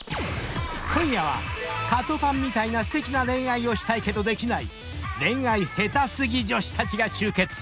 ［今夜はカトパンみたいなすてきな恋愛をしたいけどできない恋愛ヘタすぎ女子たちが集結！